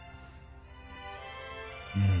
うん。